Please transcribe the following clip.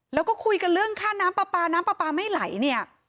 แล้วก็คุยกันเรื่องค่าน้ำปลาปลาน้ำปลาปลาไม่ไหลเนี่ย